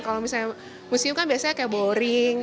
kalau misalnya museum kan biasanya kayak boring